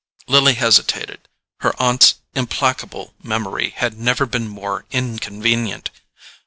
Lily hesitated: her aunt's implacable memory had never been more inconvenient.